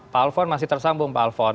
pak alfon masih tersambung pak alfon